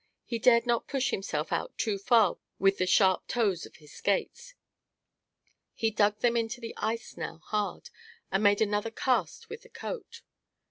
He dared not push himself out too far with the sharp toes of his skates. He dug them into the ice now hard, and made another cast with the coat.